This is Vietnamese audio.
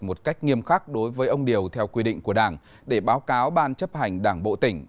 một cách nghiêm khắc đối với ông điều theo quy định của đảng để báo cáo ban chấp hành đảng bộ tỉnh